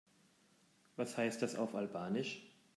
Was heißt das auf Albanisch?